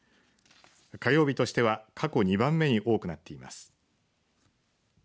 火曜日としては過去２番目に多くなっています。